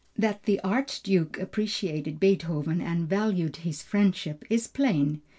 That the Archduke appreciated Beethoven and valued his friendship is plain.